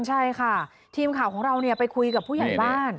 ใช่ค่ะทีมข่าวของเราไปคุยกับผู้ใหญ่บ้าน